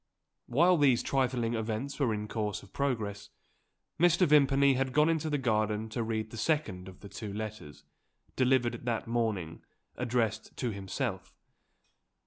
While these trifling events were in course of progress, Mr. Vimpany had gone into the garden to read the second of the two letters, delivered that morning, addressed to himself.